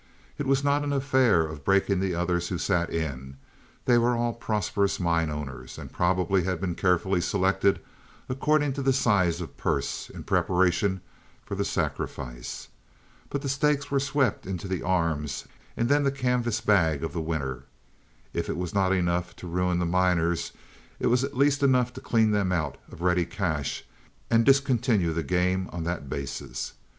It was not an affair of breaking the others who sat in. They were all prosperous mine owners, and probably they had been carefully selected according to the size of purse, in preparation for the sacrifice. But the stakes were swept into the arms and then the canvas bag of the winner. If it was not enough to ruin the miners it was at least enough to clean them out of ready cash and discontinue the game on that basis.